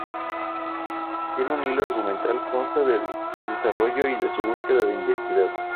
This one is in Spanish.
Todo el hilo argumental consta de su desarrollo y en su búsqueda de identidad.